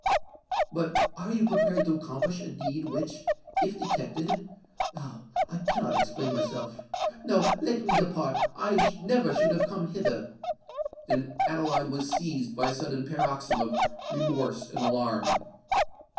"But are you prepared to accomplish a deed which, if detected——Oh! I cannot explain myself! No:—let me depart—I never should have come hither!" And Adeline was seized by a sudden paroxysm of remorse and alarm.